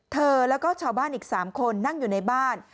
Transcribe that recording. เธอแล้วก็ชาวบ้านอีก๓คนนั่งอยู่ในบ้าน